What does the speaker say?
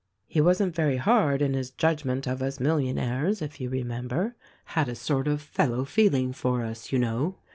He wasn't very hard in his judgment of us millionaires, if you remember, — had a sort of fellow feeling for us, you know.